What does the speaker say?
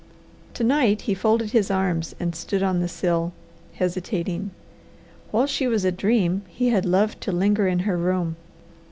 To night he folded his arms and stood on the sill hesitating. While she was a dream, he had loved to linger in her room.